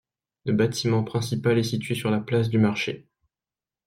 Le bâtiment principal est situé sur la place du marché.